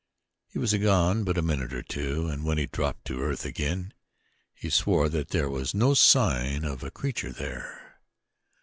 He was gone but a minute or two and when he dropped to earth again he swore that there was no sign of a creature there.